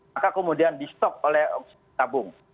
maka kemudian di stop oleh tabung